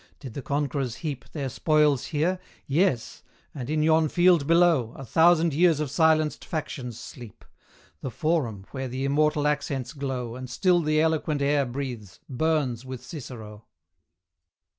Did the Conquerors heap Their spoils here? Yes; and in yon field below, A thousand years of silenced factions sleep The Forum, where the immortal accents glow, And still the eloquent air breathes burns with Cicero!